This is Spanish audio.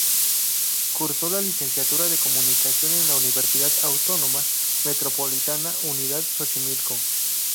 Cursó la licenciatura de Comunicación en la Universidad Autónoma Metropolitana Unidad Xochimilco.